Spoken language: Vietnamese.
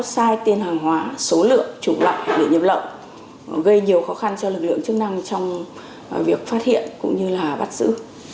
sai tên hàng hóa số lượng chủ lợi để nhập lậu gây nhiều khó khăn cho lực lượng chức năng trong việc phát hiện cũng như là bắt giữ